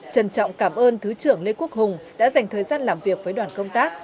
trân trọng cảm ơn thứ trưởng lê quốc hùng đã dành thời gian làm việc với đoàn công tác